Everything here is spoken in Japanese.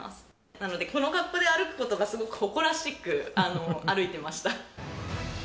なので、この格好で歩くことが、すごく誇らしく歩いていました。